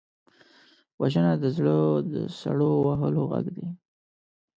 وژنه د زړه د سړو وهلو غږ دی